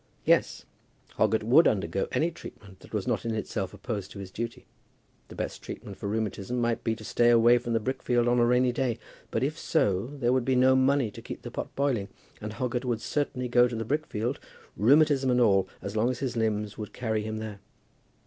Yes; Hoggett would undergo any treatment that was not in itself opposed to his duty. The best treatment for rheumatism might be to stay away from the brick field on a rainy day; but if so, there would be no money to keep the pot boiling, and Hoggett would certainly go to the brick field, rheumatism and all, as long as his limbs would carry him there.